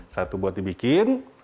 satu buat dibikin